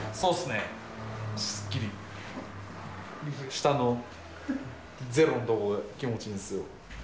下のゼロのところが気持ちいいんですよ。